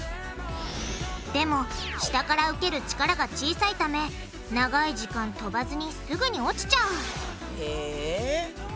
でも下から受ける力が小さいため長い時間飛ばずにすぐに落ちちゃうへぇ。